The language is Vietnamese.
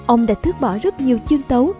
ông đã thước bỏ rất nhiều chương tấu